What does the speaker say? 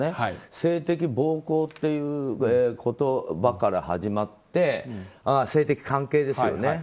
性的暴行っていう言葉から始まって性的関係ですよね。